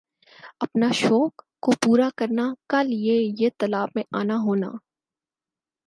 اپنا شوق کوپورا کرنا کا لئے یِہ تالاب میں آنا ہونا